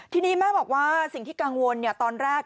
ทีนี้แม่บอกว่าสิ่งที่กังวลตอนแรก